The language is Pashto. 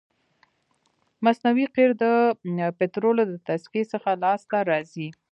مصنوعي قیر د پطرولو د تصفیې څخه لاسته راځي